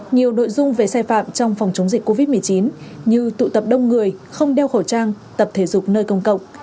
nhiều nội dung về sai phạm trong phòng chống dịch covid một mươi chín như tụ tập đông người không đeo khẩu trang tập thể dục nơi công cộng